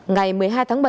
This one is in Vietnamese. ngày một mươi hai tháng bảy